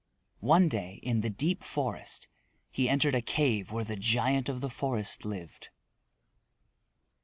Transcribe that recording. One day in the deep forest he entered a cave where the giant of the forest lived.